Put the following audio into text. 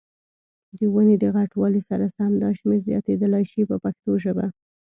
د ونې د غټوالي سره سم دا شمېر زیاتېدلای شي په پښتو ژبه.